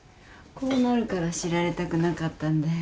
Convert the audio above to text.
こうなるから知られたくなかったんだよ。